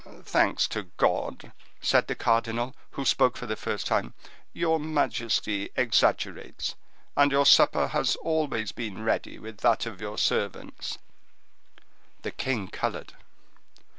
"Thanks to God," said the cardinal, who spoke for the first time, "your majesty exaggerates, and your supper has always been ready with that of your servants." The king colored.